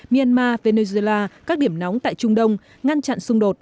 myanmar venezuela các điểm nóng tại trung đông ngăn chặn xung đột